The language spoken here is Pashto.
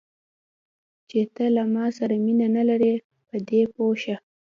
چې ته له ما سره مینه نه لرې، په دې پوه شه.